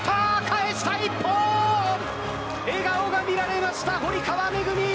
笑顔が見られた堀川恵。